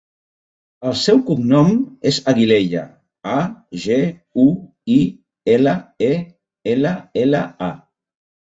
El seu cognom és Aguilella: a, ge, u, i, ela, e, ela, ela, a.